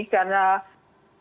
karena sulit mencari pekerjaan